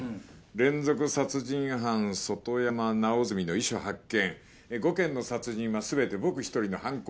「連続殺人犯・外山直澄の遺書発見」「“５件の殺人はすべて僕ひとりの犯行です”」